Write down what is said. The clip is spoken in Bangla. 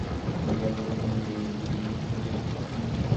তিনি কমিউনিস্ট হাঙ্গেরি এর 'ডি ফ্যাক্টো' শাসক ছিলেন।